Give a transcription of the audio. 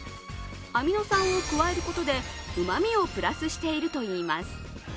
アミノ酸を加えることでうまみをプラスしているといいます。